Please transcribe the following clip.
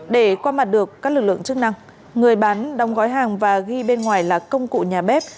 để qua mặt được các lực lượng chức năng người bán đóng gói hàng và ghi bên ngoài là công cụ nhà bếp